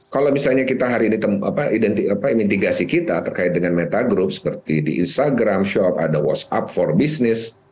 kalau misalnya kita hari ini mitigasi kita terkait dengan meta group seperti di instagram shop ada whatsapp for business